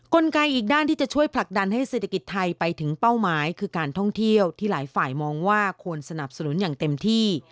กลไกอีกด้านที่จะช่วยผลักดันให้เศรษฐกิจไทยไปถึงเป้าหมายคือการท่องเที่ยวที่หลายฝ่ายมองว่าควรสนับสนุนอย่างเต็มที่